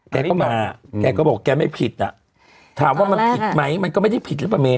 แกก็มาแกก็บอกแกไม่ผิดอ่ะถามว่ามันผิดไหมมันก็ไม่ได้ผิดหรือเปล่าเมย